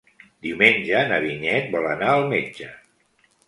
Diumenge na Vinyet vol anar al metge.